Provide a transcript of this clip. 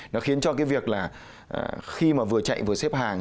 nó khiến cho cái việc là khi mà vừa chạy vừa xếp hàng